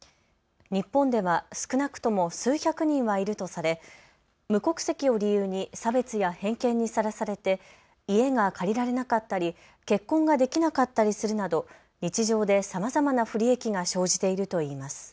日本では少なくとも数百人はいるとされ無国籍を理由に差別や偏見にさらされて家が借りられなかったり結婚ができなかったりするなど日常でさまざまな不利益が生じているといいます。